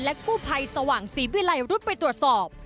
กู้ภัยสว่างศรีวิลัยรุดไปตรวจสอบ